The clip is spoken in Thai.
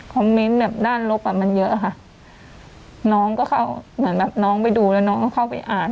เมนต์แบบด้านลบอ่ะมันเยอะค่ะน้องก็เข้าเหมือนแบบน้องไปดูแล้วน้องเข้าไปอ่าน